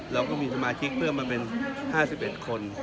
เราก็มีสมาชิกเพิ่มมาเป็น๕๑คน